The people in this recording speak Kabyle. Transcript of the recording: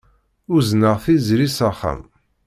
Uzneɣ Tiziri s axxam.